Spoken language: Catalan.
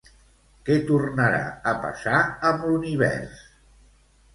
Què tornarà a passar amb l'univers?